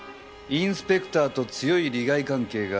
インスペクターと強い利害関係があるのは。